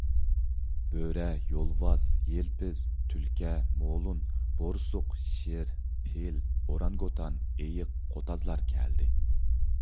بۆرە، يولۋاس، يىلپىز، تۈلكە، مولۇن، بورسۇق، شىر، پىل، ئورانگوتان، ئېيىق، قوتازلار كەلدى.